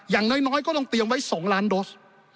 อย่างน้อยก็ต้องเตรียมไว้๒ล้านโดส